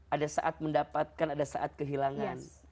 ada saat mendapatkan ada saat kehilangan